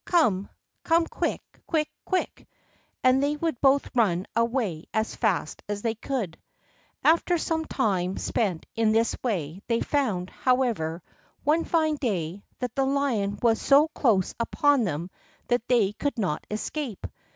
Come; come quick, quick, quick!" And they would both run away as fast as they could. After some time spent in this way, they found, however, one fine day, that the lion was so close upon them that they could not escape.